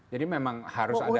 jadi memang harus ada